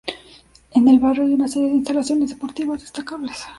En el barrio hay una serie de instalaciones deportivas destacables.